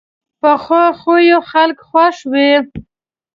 پخو خویو خلک خوښ وي